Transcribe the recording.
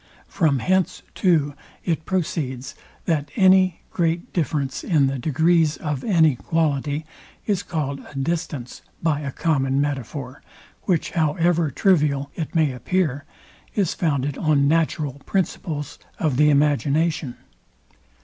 From hence too it proceeds, that any great difference in the degrees of any quality is called a distance by a common metaphor, which, however trivial it may appear, is founded on natural principles of the imagination.